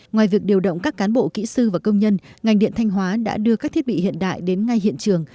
ngoài việc điều động các cán bộ kỹ sư và công nhân ngành điện thanh hóa đã đưa các thiết bị hiện đại đến ngay hiện trường